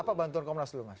apa bantuan komnas dulu mas